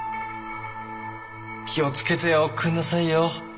気を付けておくんなさいよ。